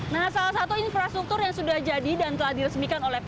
nah salah satu infrastruktur yang sudah jadi dan telah diresmikan oleh pt